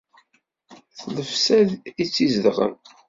D lefsad i tt-izedɣen.